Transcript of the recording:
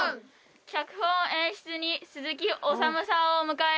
脚本演出に鈴木おさむさんを迎え。